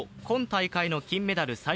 今大会の金メダル